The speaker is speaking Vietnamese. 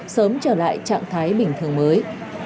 sớm trở lại trạng thái bình thường mới